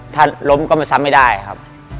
ถ้าล้มก็ไม่สัมไม่ได้ครับ